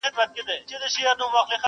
ځان یې ښکلی تر طاووس ورته ښکاره سو،